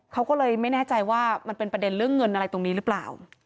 เขาก็เลยไม่แน่ใจว่ามันเป็นประเด็นเรื่องเงินอะไรตรงนี้หรือเปล่า